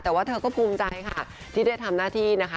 แต่ว่าเธอก็ภูมิใจค่ะที่ได้ทำหน้าที่นะคะ